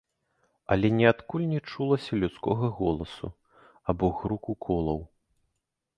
Але ніадкуль не чулася людскога голасу або груку колаў.